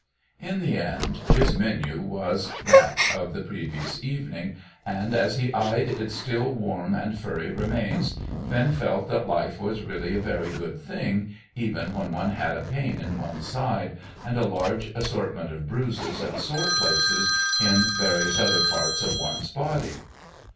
In the end his menu was that of the previous evening, and, as he eyed its still warm and furry remains, Finn felt that life was really a very good thing, even when one had a pain in one's side, and a large assortment of bruises and sore places in various other parts of one's body.